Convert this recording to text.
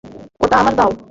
ওটা আমায় দাও।